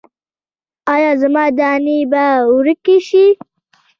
ایا زما دانې به ورکې شي؟